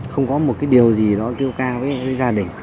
không có một cái điều gì đó kêu ca với gia đình